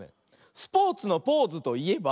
スポーツのポーズといえば？